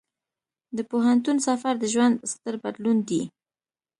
د پوهنتون سفر د ژوند ستر بدلون دی.